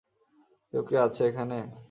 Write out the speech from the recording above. কেউ কি আছে এখানে?